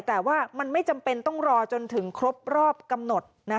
แต่ว่ามันไม่จำเป็นต้องรอจนถึงครบรอบกำหนด